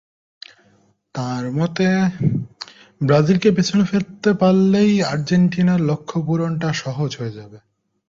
তাঁর মতে, ব্রাজিলকে পেছনে ফেলতে পারলেই আর্জেন্টিনার লক্ষ্যপূরণটা সহজ হয়ে যাবে।